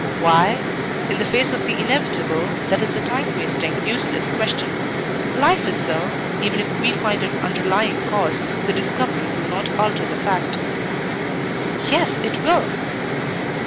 "Why? In the face of the inevitable, that is a time wasting, useless question. Life is so; even if we find its underlying cause, the discovery will not alter the fact." "Yes, it will."